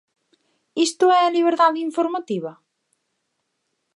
¿Isto é a liberdade informativa?